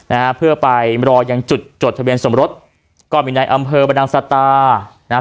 นะฮะเพื่อไปรอยังจุดจดทะเบียนสมรสก็มีในอำเภอบรรดังสตานะฮะ